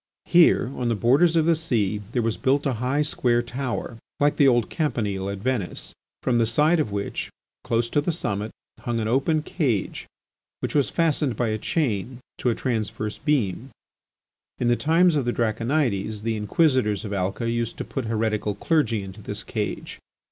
Here, on the borders of the sea, there was built a high square tower, like the old Campanile at Venice, from the side of which, close to the summit hung an open cage which was fastened by a chain to a transverse beam. In the times of the Draconides the Inquisitors of Alca used to put heretical clergy into this cage.